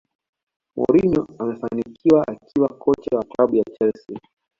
Mourinho amefanikiwa akiwa kocha wa klabu ya chelsea